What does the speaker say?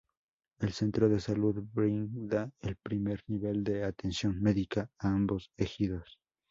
El centro de salud brinda el primer nivel de atención medica a ambos ejidos.